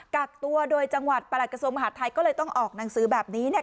กักตัวโดยจังหวัดประหลักกระทรวงมหาดไทยก็เลยต้องออกหนังสือแบบนี้เนี่ย